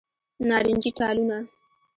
نارنجې ټالونه